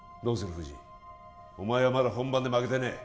藤井お前はまだ本番で負けてねえ